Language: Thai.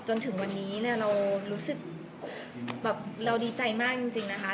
จนถึงวันนี้เนี่ยเรารู้สึกแบบเราดีใจมากจริงนะคะ